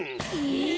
え！